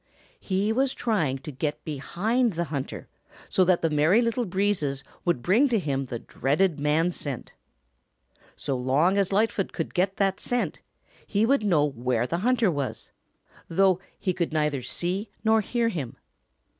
He was trying to get behind the hunter so that the Merry Little Breezes would bring to him the dreaded man scent. So long as Lightfoot could get that scent, he would know where the hunter was, though he could neither see nor hear him.